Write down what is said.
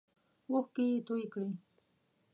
اوښکې یې تویی کړې.